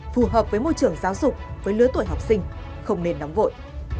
phù hợp với môi trường giáo dục với lứa tuổi học sinh không nên nóng vội